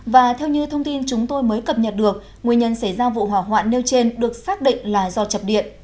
và theo như thông tin chúng tôi mới cập nhật được nguyên nhân xảy ra vụ hỏa hoạn nêu trên được xác định là do chập điện